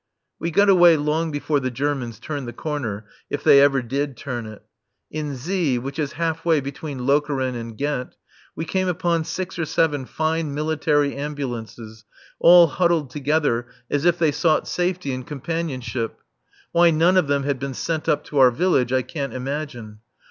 We got away long before the Germans turned the corner, if they ever did turn it. In Z , which is half way between Lokeren and Ghent, we came upon six or seven fine military ambulances, all huddled together as if they sought safety in companionship (why none of them had been sent up to our village I can't imagine).